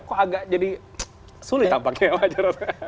kok agak jadi sulit tampaknya pak jarod